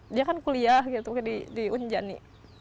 dia kan kuliah gitu di unjani